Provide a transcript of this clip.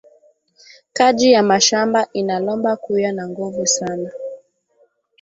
Kaji ya mashamba ina lomba kuya na nguvu sana